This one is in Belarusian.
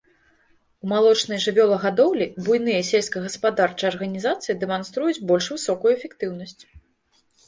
У малочнай жывёлагадоўлі буйныя сельскагаспадарчыя арганізацыі дэманструюць больш высокую эфектыўнасць.